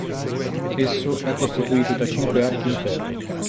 Esso è costituito da cinque archi in ferro.